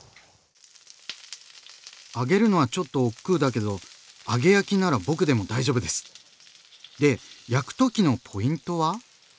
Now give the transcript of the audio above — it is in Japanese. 揚げるのはちょっとおっくうだけど揚げ焼きなら僕でも大丈夫です！で焼くときのポイントは？